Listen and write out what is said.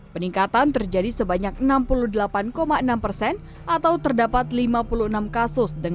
peningkatan terjadi sebanyak enam puluh delapan enam persen